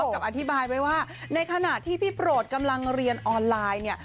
กับอธิบายไว้ว่าในขณะที่พี่โปรดกำลังเรียนออนไลน์เนี่ย